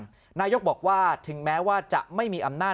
นายกบอกว่าถึงแม้ว่าจะไม่มีอำนาจ